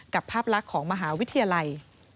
ภาพลักษณ์ของมหาวิทยาลัย